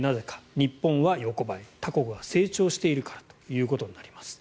日本は横ばい他国は成長しているからということです。